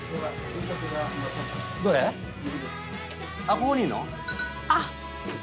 ここにいるの？